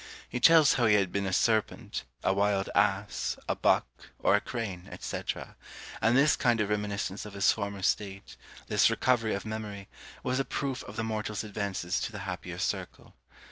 He tells how he had been a serpent, a wild ass, a buck, or a crane, &c. and this kind of reminiscence of his former state, this recovery of memory, was a proof of the mortal's advances to the happier circle.